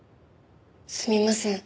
すみません。